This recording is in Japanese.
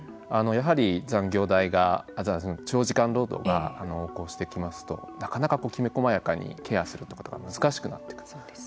やはり残業代が長時間労働が越してきますとなかなかきめ細やかにケアしてくることが難しくなってきます。